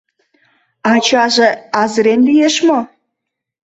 Ачаже азырен лиеш мо?..